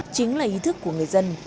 chính là ý thức của người dân